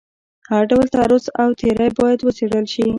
هر ډول تعرض او تیری باید وڅېړل شي.